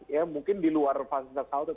ya mungkin di luar fasilitas halte